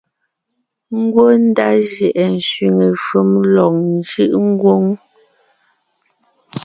Ngwɔ́ ndá jʉʼɛ sẅiŋe shúm lɔg njʉʼ ngwóŋ;